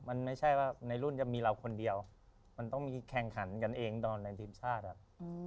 มันไม่ใช่ว่าในรุ่นจะมีเราคนเดียวมันต้องมีแข่งขันกันเองตอนในทีมชาติอ่ะ